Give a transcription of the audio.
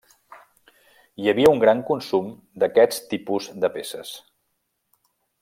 Hi havia un gran consum d'aquests tipus de peces.